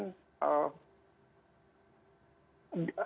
dia akan bersikap tegas ketika ada